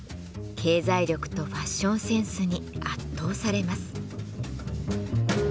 経済力とファッションセンスに圧倒されます。